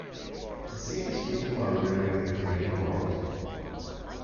It seems people are living in a dream world.